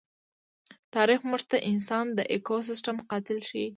تاریخ موږ ته انسان د ایکوسېسټم قاتل ښيي.